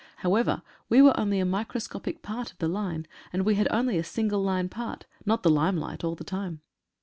However, we were only a microscopic part of the line, and we had only a single line part — not the 124 A BRAVE BOY. limelight all the time.